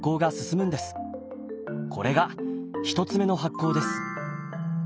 これが１つ目の発酵です。